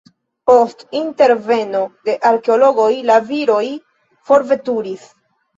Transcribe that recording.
Post interveno de arkeologoj la viroj forveturis.